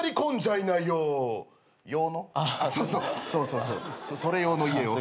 そうそうそれ用の家を。